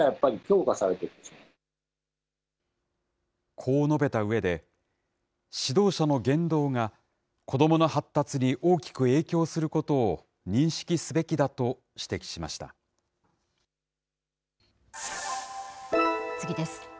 こう述べたうえで、指導者の言動が子どもの発達に大きく影響することを認識すべきだ次です。